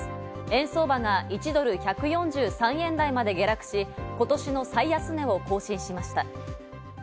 円相場が１ドル＝１４３円台まで下落し、今年の最安値を更新しました。